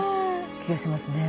気がしますね。